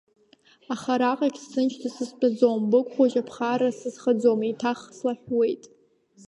Аха араҟагь сҭынчӡа сызтәаӡом, быгә хәыҷы аԥхарра сызхаӡом, еиҭах слаҳәуеит…